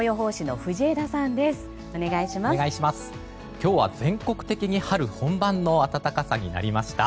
今日は全国的に春本番の暖かさになりました。